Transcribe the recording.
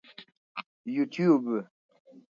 یوټیوب